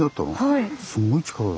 はい。